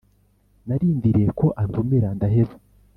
Narindiriye ko antumira ndaheba